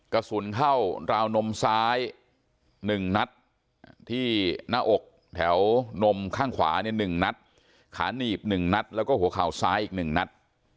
กระสุนเข้าราวนมซ้าย๑นัดที่หน้าอกแถวนมข้างขวา๑นัดขาหนีบ๑นัดแล้วก็หัวเข่าซ้ายอีก๑นัด